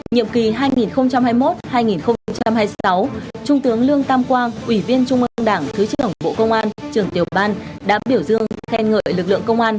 nhiệm kỳ hai nghìn hai mươi một hai nghìn hai mươi sáu trung tướng lương tam quang ủy viên trung ương đảng thứ trưởng bộ công an trường tiểu ban đã biểu dương khen ngợi lực lượng công an